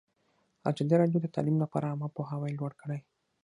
ازادي راډیو د تعلیم لپاره عامه پوهاوي لوړ کړی.